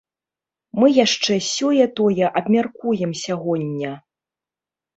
Мы яшчэ сёе-тое абмяркуем сягоння.